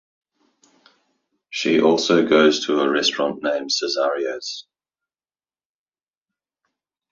She also goes to a restaurant named "Cesario's".